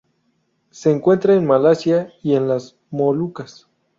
Se encuentra en Malasia y en las Molucas.